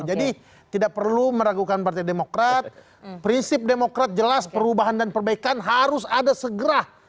jadi tidak perlu meragukan partai demokrat prinsip demokrat jelas perubahan dan perbaikan harus ada segera